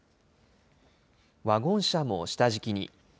ワゴン車も下敷きに。